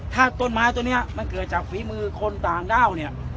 ถ้าต้นไม้ตัวนี้มันเกิดจากฝีมือคนต่างด้าวเนี่ย